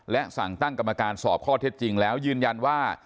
และสั่งตั้งกรรมการสอบข้อเท็จจริงแล้วยืนยันว่า